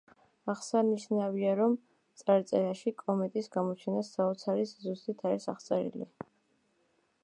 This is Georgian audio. აღსანიშნავია, რომ წარწერაში კომეტის გამოჩენა საოცარი სიზუსტით არის აღწერილი.